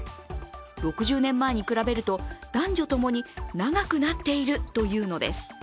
６０年前に比べると、男女共に長くなっているというのです。